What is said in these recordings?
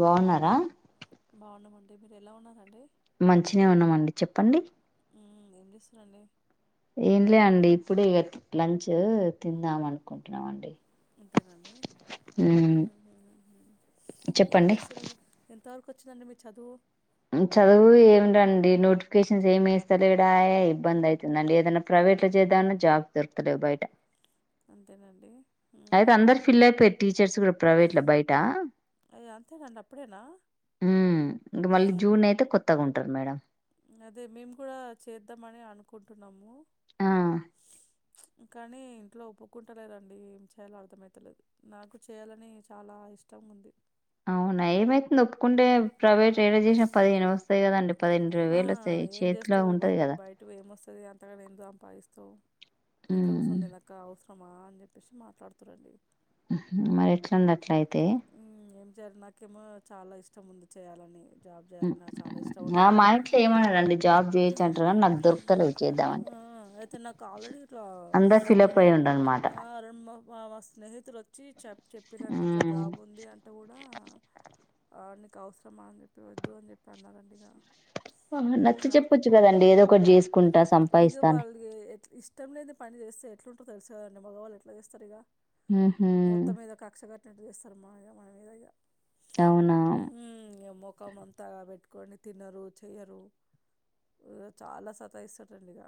గోనరా అంటే మీరు ఎలా ఉన్నారండి మంచినే ఉన్నామండి చెప్పండి మ్మ్ ఏం చేస్తురండి ఏంలే అండి ఇప్పుడ ఇక లంచ్ తిందాం అనుకుంటున్నామండి ఉంతేనండి ఉమ్ ఏం చెప్పండి చూస్తున్నారు తవకి వచ్చిందండి మీ చదువు చదువు ఏమి రండి నోటిఫికేషన్స్ ఏమి వేస్తాలే ఇబ్బంది అవుతుందండి ఏదైనా ప్రైవేట్ లో చేద్దామన్నా జాబ్ దొరతలే బయట అంతేనండి అయితే మ్మ్ అందరు అయ్యో ఫిల్ అయిపోయారు టీచర్స్ కూడా ప్రైవేట్ లో బయట అంతేనండి అప్పుడేనా మ్మ్ ఇంగ్ మళ్ళీ అయితే కొత్తగా ఉంటారు మేడం అదే మేము కూడా చేద్దామని అనుకుంటున్నాము ఆ కానీ ఇంట్లో ఒప్పుకుంటలేదండి ఏం చేయాలో అర్థమయితలేదు నాకు చేయాలని చాలా ఇష్టం ఉంది అవునా ఏమైతుంది ఒప్పుకుంటే ప్రైవేట్ రడ చేసినా పదిహేను వస్తాయి కదండి పది ఆ వేలు చేతిలో ఉంటది కదా అది అంతగనే ఎం సంపాదిస్తవ్ ఇంట్లో ఉమ్ కుసోని తినక అవసరం అమ్మా అని చెప్పేసి మాట్లాడుతురండి ఉహుమ్ మరి ఎట్లండి అట్ల అయితే జర్నాకేమో చాలా ఇష్టం ఉంది చేయాలని జాబ్ చేయాలని నాక్ చాలా ఇష్టం ఆ ఉన్నది మా ఇంట్లో ఏమనారండి జాబ్ చేయొచ్చు అంటారు కానీ నాకు దొరుకలే ఆ చేద్దామంటె అయితే నాకు ఆల్రెడీ ఇట్లా అందరు ఫిల్అప్ అయి ఉండ అనమాట వా వ స్నేహితులు ఒచ్చి చెప్ చెప్పిరండి ఇట్లా జాబ్ ఉంది అంటె కూడా ఆ ఇంకా అవసరమా అని చెప్పి వద్దు అని చెప్పి అన్నారండి ఇగ ఆహా నచ్చ చెప్పొచ్చు గదండి ఏదో ఒకటి చేసుకుంట ఇగ సంపాయిస్తని ఎట్లు ఉంటారు తెలుసు కదండి మగవాళ్ళు ఎట్లా చేస్తారు ఇగ మొత్తం మీద కక్షగాట్నట్ చేస్తారు మా మీద ఇగ అవునా ఉమ్ ఇగ మోకమంతా గాబ కొన్ని తినరు చెయ్యరు ఇల చాలా సతాయిస్తారండి ఇగ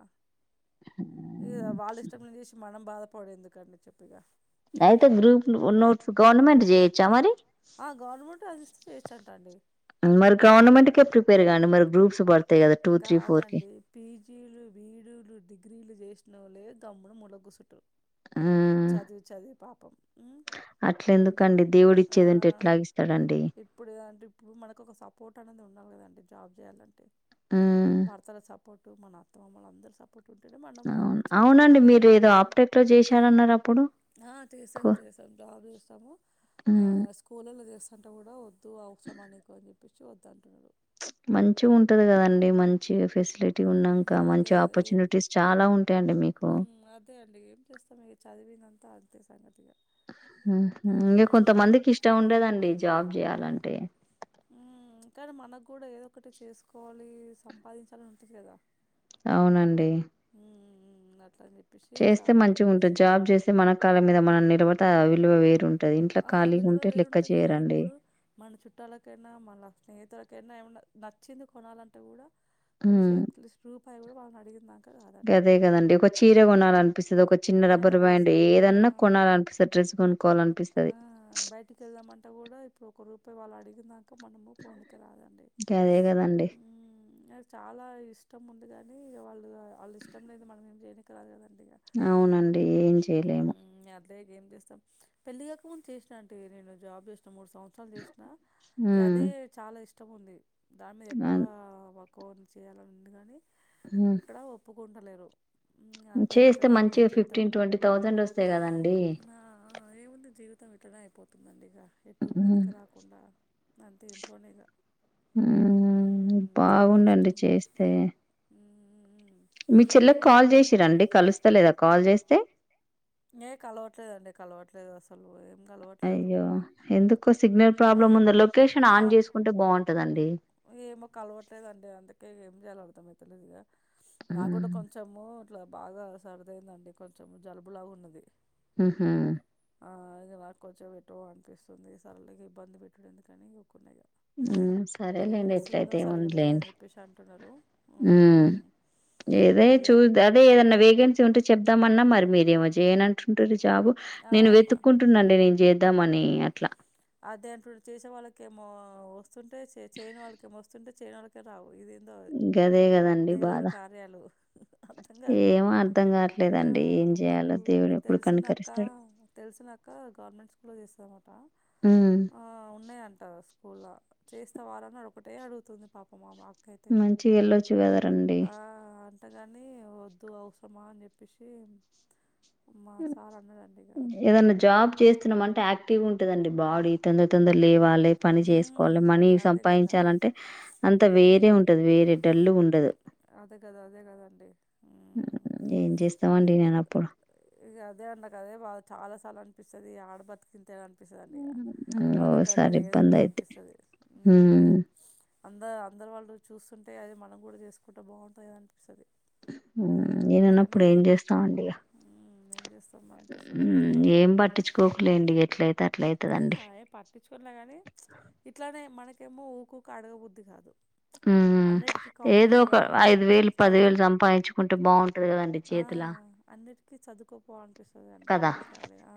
ఇగ వాళ్ళ ఇష్టం చేసి మనం బాధ పడేందుకని చెప్పిగా అయితే గ్రూప్ నో నోట్ గవర్నమెంట్ చేయిచ్చా మరీ ఆ గవర్నమెంట్ అది చెయోచు అంటా అండీ మరి గవర్నమెంట్కే ప్రిపేర్ కండి మరి గ్రూప్స్ సూపర్ కాదండి పీజీలు వీడులు డిగ్రీలు చేస్త నువు లే తమ్ముడు ములక్కుసుంటడు చదువు చదువు పాపం అ అట్ల మే ఇప్పుడు ఎందుకండి దేవుడు ఆ ఇచ్చేది ఉంటే ఎట్లాగిస్తాడండి ఇప్పుడంటె ఇప్పుడు మనకు ఒక సపోర్ట్ అనేది ఉండాలి కదండి జాబ్ చేయాలంటె భర్తల చప్పు మన అత్తొ మన అందరి సపోర్ట్ మనము అవును. చదివి అవునండి. మీరు ఏదో ఆప్టెక్‌లో జేశారన్నారు అప్పుడు. ఆ చేశాం కొ చేశాం జాబ్ చేశాం ఆ హ్మ్. స్కూల్లో తీస్తా అంట కూడా తూ అవసరమా నికు అని చెప్ పి చద్దాంటండన్నారు మంచిగా ఉంటది కదండి మంచి చేసు ఫెసిలిటీ మ్ ఉన్నాక మంచి అదే ఏం ఆపర్చునిటీస్ చాలా ఉంటాయిండి మీకు మ్ త అం [unintelligible] తతే సంగతులు ఆహా ఇంకా కొంతమందికి ఇష్టం ఉండదండి జాబ్ చేయాలి అంటే ఉ కాదు మనకు కూడా ఏదో ఒకటి చేసుకోవాలి, సంపాదించాలి ఉంటుంది కదా అవునండి ఉమ్ ఉమ్ అట్లా అని చెప్పేసి చేస్తే చాలా మంచిగా ఉంటుంది అనిపిస్తుంది జాబ్ చేస్తే మన కాళ్ళ మీద మనం నిలబడు విలువ వేరున్ ఆ విలువ వేరుంటది ఇప్పుడు మన చుట్టాలకైనా మన స్నేహితులకైనా ఏమన్నా నచ్చింది కొనాలంటే కూడా కనీసం [unintelligible] పయ కూడాడు [unintelligible] అడిగిందా అదే కదండి ఒక చీర కొనాలి అనిపిస్తుంది ఒక చిన్న ఆ రబ్బర్ డ్రెస్ బ్యాండ్ అన్- ఆ ఏదన్నా కొనాలనిపిస్తాది, డ్రెస్ కొనుక్కోవాలని ఆ అనిపిస్తాది పొ వాళ్ళ అడిగిన ఇంకా మనము పోనిక రాదండి గదే గదండీ. నాకు చాలా ఇష్టం ఉంది కానీ ఇక వాళ్ళు వాళ్ళు ఇష్టం లేనిది మనం ఎమి చేయినికి రాదుకదండి అవునండి ఏం చేయలేము ఏమ్ చేస్తాం పెళ్ళిగాక చేసిన అంటిని గా నేను జాబ్ చేసు మూడు సంవత్సరాలు చేసిన హ్మ్ అదే చాలా ఇష్ట ఇష్టం ఉంది దాని మీద అన్ ఎక్కువ కోర్సు చేయాలని ఉంది కానీ ఇక్కడ ఓపు ఉండలేరు మ్మ్ చేస్త్ అయితే మంచిగా ఫిఫ్టీన్ ట్వంటీ థౌజండ్ వస్తాయి కదండి నా ఏముంది జీవితం ఇట్లానే అయిపోతుందండి ఇక ఎటు పోనిక రాకుండా అంతే ఇంట్లోనేగా మ్మ్ బాగుంది అండి ఇష్టం చేస్తే మ్మ్ మీ చెల్లెకి కాల్ చేసి రండి కలుస్ ఏ కలవట్లేదండి కలవట్లేదు అస లు పోయే అయ్యో ఎందుకో సిగ్నల్ ప్రాబ్లమ్ అదే ఉంది లొకేషన్ ఆ ఆన్ చేసుకుంటే బాగుంటదండి. ఏమో కలవట్లేదండి అందుకే ఏం చెయాలో అర్థమైతలేదిగా. నాకు గూడ కొంచమూ ట్ల బాగా సర్దైంది అండి కొంచెము జలుబు లాగా ఉన్నది. హ్మ్ హు ఆ ఇగ నాక్ కొంచెం ఎటో అనిపిస్తుంది సరలే ఇగా ఇబ్బంది పెట్టుడు ఎందుకని ఊకున్న ఇగ. హ్మ్ సరేలేండి ఎట్లయితే సరిగా ఏముంది లేదని లేండి. చెప్పేసి అంటున్నారు హ్మూ ఉమ్, గిదే అదే చూద అదే ఏదన్నా వేకెన్సీ ఉంటే చెప్ స్తామన్నా మరి మీరేమో చేయనంటుంటిరి జాబు. ఆ నేను అన్న వెతుక్కుంటున్న అండి నేను చే ద్దామనీ అట్లా. అదే అంటుర్రు చేసే వాళ్ళకేమో వస్ స్తుంటయ్, చె చెయ్యని వాళ్ళకేమో తుంటె చేయనోలకే రావు ఇదేం దో గదే కదండి దేవుడు బాధ కార్యాలు అర్థం కాదు. ఏమో అర్ధం ఆ కావట్లేదండి ఏం చేయాలో మాకు దేవుడు ఎప్పుడు తెలిసిన అక్క కనికరిస్తాడు తెలిసిన అక్క గవర్నమెంట్ స్కూల్లో చేస్తది అనమాట. హ్మ్ స్కూళ్ళ చేస్తవారని ఒక్కటే అడుగుతుంది పాపం ఆమ మంచి వెళ్ళొచ్చు కదరండి. ళ్త గాని వద్దు అవసరమా అని చెప్పేసి మా సార్ అన్నాడండి ఇక ఏదన్న జాబ్ చేస్తున్నామ టే యాక్టివ్ గా ఉంటదండి బాడీ తొందర తొందర లేవాలే పని చేసు కోవలే ఉమ్ మనీ అదే కదా అంటే సంపాయించాలంటే, అంత వేరే ఉమ్ ఉంటది వేరే ఉంటుంది మెంటల్ డల్లుగ ఉండదు. మెంటల్గా. అదే కదా అదే కదండి ఉమ్ ఏం చేస్తామండి ఏంటి లేనప్పుడు ఇగ అదే అన్న క అదే బాద చాలా సార్లు అనిపిస్తది ఈ ఆడ బతికు ఇంతేనా అని పిస్తది అండి ఇగ మనకంటూ ఏది ఉండదు అనిపిస్తది. హ్మూ అంద అందరు వాళ్ళు చూస్తుంటే అరె మనం కూడా చేసుకుటె బాగుంటది కదా అనిపిస్తది మ్మ్ కానీ ఇనన్నప్పుడు ఏం చే చేస్తామండి ఇగా ఉమ్ ఏం చేస్తాం అనిపిస్తది మ్మ్ ఏం పట్టించుకోకులేండి ఇగ ఎట్లయి ఆ అయే పట్టించుకొన్లే గాని ఇట్లనే మనకి ఎమ్మో ఊకూక అడగబుద్ది కాదు. హ్మ్ హు, అన్నిటికీ ఏదో కాంప్రమైజ్గా ఒక ఐదు వేలు, పది చదువుకో వేలు సంపాయించుకుంటే బాగుంటది కదండి చేతిలా కి చదుకో పో అనిపిస్ అంటే గేమి చాలేదా ఆ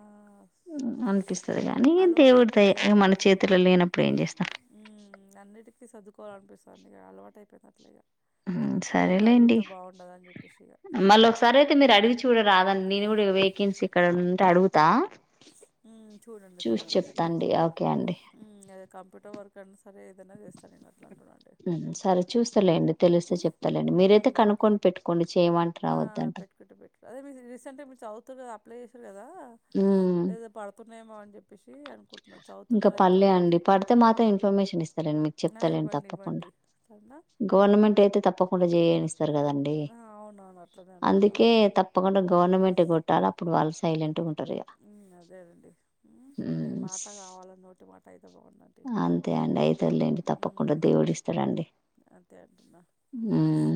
[unintelligible] ఇక దేవుడి అయిపోయింది ఇగ దయ అట్లా మన చేతుల్లో లేనప్పుడు ఏం చేస్తాము. అనిపిస్తది ఇగ అలవాటు అయిపోయింది అట్లా ఇగా ఉ సరేలేండి చెప్పేసి ఇగ ఏం మళ్ళ అడుగుతా ఒకసారి అయితే మీరు అడిగి చూడ రాదండి నేను కూడా వేకెన్సీ ఎక్కడన్న అడుగుతా చూడండి చూసి చూడండి చెప్తా అండి. ఓకే అండి. అదే కంప్యూటర్ వర్క్ ఎక్కడన్నా సరే ఎదన్నా చేస్తా నేను అట్లా అంటున్నాండి సరే చూస్తలేండి తెలిస్తే ఉమ్ చెప్తలేండి మీరైతే ఉమ్. కనుక్కొని పెట్టుకోండి చేయమంటరా ఆ వద్దంటరా పెట్టుకుంటే పెట్టు అదే మీరు రీసెంట్గా మీరు చదువుతారు కదా అప్లై చేశారు కదా ఉమ్ ఏదో పడుతున్నాయమో అని చెప్పి పేశి అను ఇంకా పడలే అండి పడితే మాత్రం ఇన్ఫర్మేషన్ ఇస్తాలెండి మీకు ఆ చెప్తాలేండి ఇవ్వండి తప్పకుండా ఇవ్వండి సరేనా గవర్నమెంట్ అయితే తప్పకుండా జయ నిస్తా రు కదండి ఆ అవునవును అట్లనే అంటున్నా అందుకే అండి తప్పకుండా గవర్నమెంట్ కొ అప్పుడు వాళ్ళు సైలెంట్ గా ఉం ఉ అదేనండి మీ ఉమ్, మా కావాల నొటి మాట అయి అంతే అండి అయితదిలెండి తప్పకుండా ఉమ్ దేవుడి ఇస్తడండి అంతే అంటున్నా ఉమ్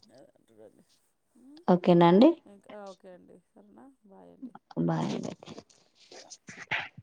అ అంటదు [unintelligible] ఓకేనా అండి ఇంకా ఓకే అండి సరేనా బాయ్ అండి బాయ్ అండి [inaudible]